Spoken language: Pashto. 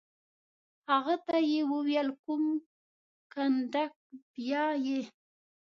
هغه ته یې وویل: کوم کنډک؟ بیا یې.